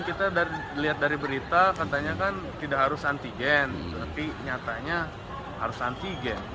kita lihat dari berita katanya kan tidak harus antigen tapi nyatanya harus antigen